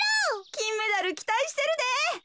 きんメダルきたいしてるで。